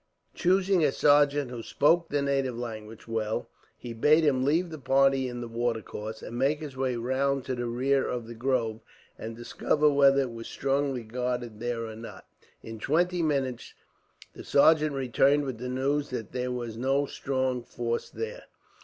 Choosing a sergeant who spoke the native language well, he bade him leave the party in the watercourse, and make his way round to the rear of the grove, and discover whether it was strongly guarded there or not. In twenty minutes, the sergeant returned with the news that there was no strong force there.